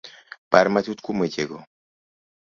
Par matut kuom wechego.